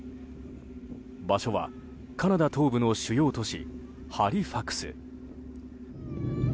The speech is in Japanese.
場所はカナダ東部の主要都市ハリファクス。